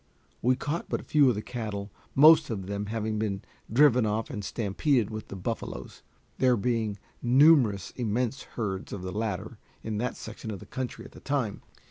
We caught but few of the cattle, most of them having been driven off and stampeded with the buffaloes, there being numerous immense herds of the latter in that section of the country at the time.